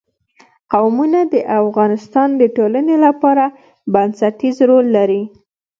قومونه د افغانستان د ټولنې لپاره بنسټيز رول لري.